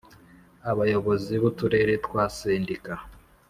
Abayobozi b uturere twa Sendika